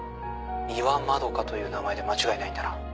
三輪円という名前で間違いないんだな？